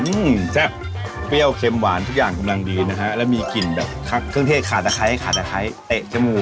อืมแซ่บเปรี้ยวเค็มหวานทุกอย่างกำลังดีนะฮะแล้วมีกลิ่นแบบเครื่องเทศขาดตะไคร้ขาดตะไคร้เตะจมูก